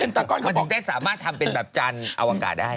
เพ้นทรัักก้อนเขาถึงได้สามารถทำแบบจานอวกาศได้